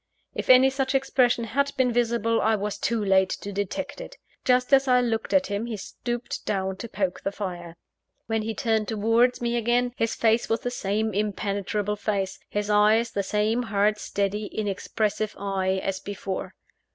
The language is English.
If any such expression had been visible, I was too late to detect it. Just as I looked at him he stooped down to poke the fire. When he turned towards me again, his face was the same impenetrable face, his eye the same hard, steady, inexpressive eye as before.